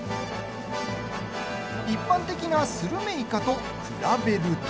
一般的なスルメイカと比べると。